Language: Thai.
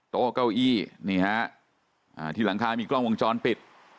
โต๊ะเก้าอี้นี่ฮะอ่าที่หลังคามีกล้องวงจรปิด